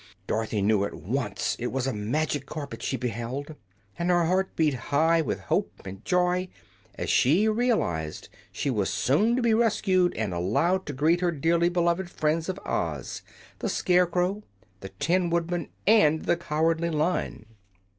Dorothy knew at once it was a magic carpet she beheld, and her heart beat high with hope and joy as she realized she was soon to be rescued and allowed to greet her dearly beloved friends of Oz the Scarecrow, the Tin Woodman and the Cowardly Lion.